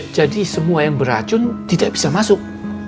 jadi semua yang beracun tidak bisa masuk